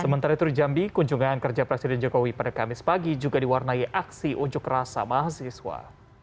sementara itu di jambi kunjungan kerja presiden jokowi pada kamis pagi juga diwarnai aksi unjuk rasa mahasiswa